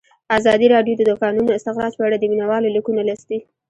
ازادي راډیو د د کانونو استخراج په اړه د مینه والو لیکونه لوستي.